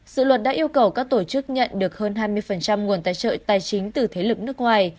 dự luật đã yêu cầu các tổ chức nhận được hơn hai mươi nguồn tài trợ tài chính từ thế lực nước ngoài